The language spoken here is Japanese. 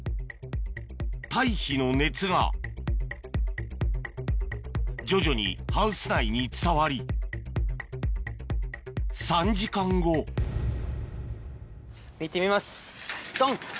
堆肥の熱が徐々にハウス内に伝わり３時間後ドン！